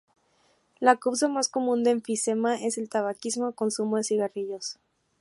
La causa más común de enfisema es el tabaquismo o consumo de cigarrillos.